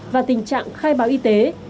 và tình trạng khai báo y tế